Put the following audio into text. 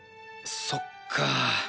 そっかぁ